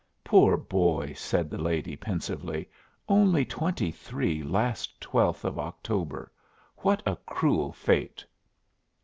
"Poor boy!" said the lady, pensively. "Only twenty three last 12th of October. What a cruel fate!"